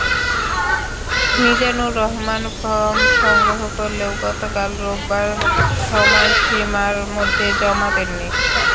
Mizanur Rahman form সংগ্রহ করলেও গতকাল রোববার সময়সীমার মধ্যে জমা দেননি।